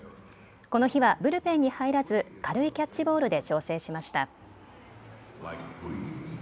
この日はブルペンに入らず軽いキャッチボールで調整しました。